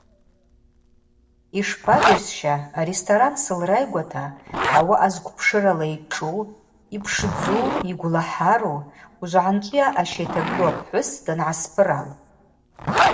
Йшпаджьасща аресторан сылрайгвата, ауаъа зквпшырала йшӏу, йпшдзу, йгвлахӏару, уыжвгӏанчӏви аъаща йтагылу апхӏвыс дангӏаспырал.